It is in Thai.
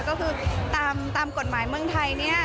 ก็คือตามกฎหมายเมืองไทยเนี่ย